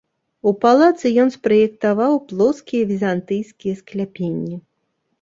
У палацы ён спраектаваў плоскія візантыйскія скляпенні.